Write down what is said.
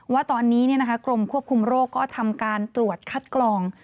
ว่าตอนนี้กรมควบคุมโรคก็ทำการตรวจคัดกรอง